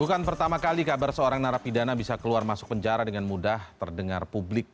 bukan pertama kali kabar seorang narapidana bisa keluar masuk penjara dengan mudah terdengar publik